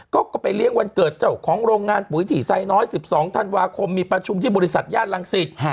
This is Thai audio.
ก็ไปเลี้ยงวันเกิดเจ้าของโรงงานปุ๋ยถี่ไซน้อย๑๒ธันวาคมมีประชุมที่บริษัทย่านรังสิต